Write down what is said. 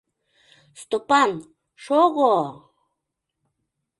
— Стопан, шого...